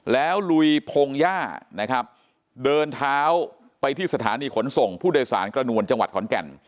แล้วลุยพงหญ้านะครับเดินเท้าไปที่สถานีขนส่งผู้โดยสารกระนวลจังหวัดขอนแก่น